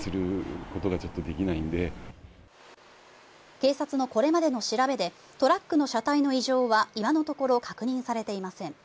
警察のこれまでの調べでトラックの車体の異常は今のところ確認されていません。